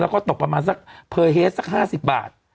แล้วก็ตกประมาณสักเพอร์เฮสสัก๕๐บาท